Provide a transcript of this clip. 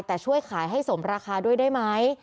แต่ช่วยขายให้สมราคาด้วยได้ไหม